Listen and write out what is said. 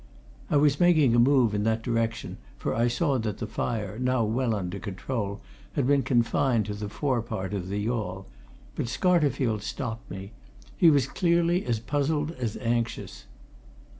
I was making a move in that direction, for I saw that the fire, now well under control, had been confined to the fore part of the yawl but Scarterfield stopped me. He was clearly as puzzled as anxious.